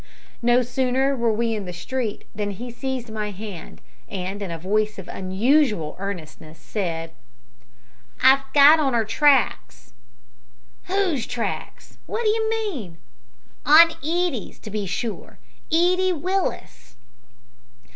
No sooner were we in the street than he seized my hand, and, in a voice of unusual earnestness, said "I've got on 'er tracks!" "Whose tracks? What do you mean?" "On Edie's, to be sure Edie Willis."